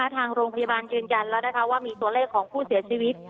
ทางโรงพยาบาลเยี่ยนว่ามีตัวเลขผู้เสียชีวิต